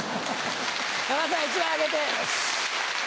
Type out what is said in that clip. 山田さん１枚あげて。